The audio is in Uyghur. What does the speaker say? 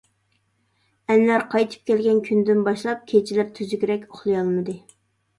ئەنۋەر قايتىپ كەلگەن كۈندىن باشلاپ كېچىلىرى تۈزۈكرەك ئۇخلىيالمىدى.